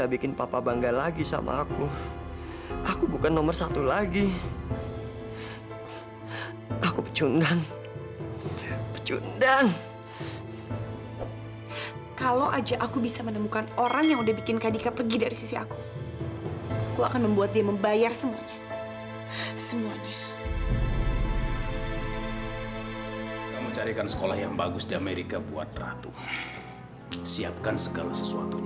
bagaimana lo bisa bertanding kalau latihan aja lo kalah